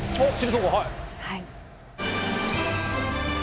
はい。